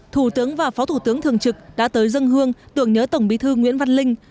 thủ tướng và phó thủ tướng thường trực đã tới dân hương tưởng nhớ tổng bí thư nguyễn văn linh